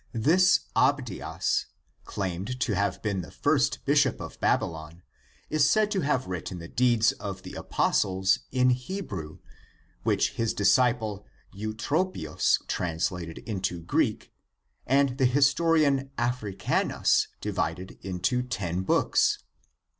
This Abdias claimed to have been the first bishop of Babylon, is said to have written the deeds of the apostles in Hebrew, which his disciple Eutro pius translated into Greek and the historian Africanus di vided into ID books.